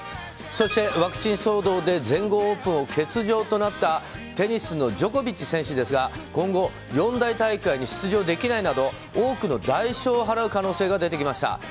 そして、ワクチン騒動で全豪オープンを欠場となったテニスのジョコビッチ選手ですが今後、四大大会に出場できないなど多くの代償を払う可能性が出てきました。